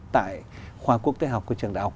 tại khoa quốc tế học của trường đại học